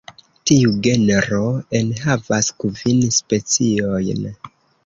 Tiu genro enhavas kvin speciojn.